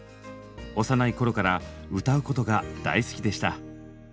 幼い頃から歌うことが大好きでした。